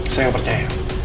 saya gak percaya